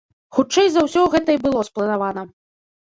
Хутчэй за ўсё гэта і было спланавана.